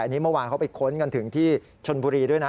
อันนี้เมื่อวานเขาไปค้นกันถึงที่ชนบุรีด้วยนะ